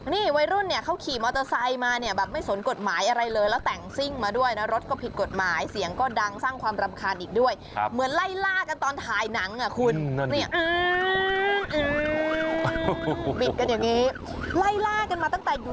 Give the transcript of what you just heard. นี่วัยรุ่นเนี่ยเขาขี่มอเตอร์ไซด์มาเนี่ยแบบไม่สนกฎหมายอะไรเลยแล้วแต่งซิ่งมาด้วยนะรถก็ผิดกฎหมายเสียงก็ดังสร้างความรำคาญอีกด้วย